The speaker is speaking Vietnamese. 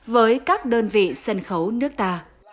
với các đơn vị sân khấu nước ta